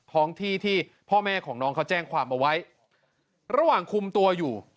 ท้องที่ที่พ่อแม่ของน้องเขาแจ้งความเอาไว้ระหว่างคุมตัวอยู่